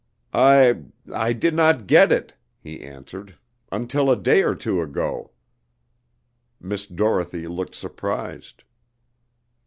"I I did not get it," he answered, "until a day or two ago." Miss Dorothy looked surprised.